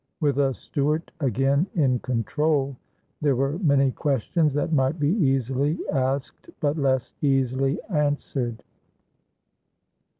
With a Stuart again in control, there were many questions that might be easily asked but less easily answered.